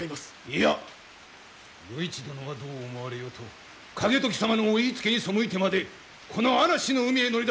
いや与一殿がどう思われようと景時様のお言いつけに背いてまでこの嵐の海へ乗り出すはいかにも無謀！